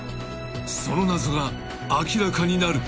［その謎が明らかになる］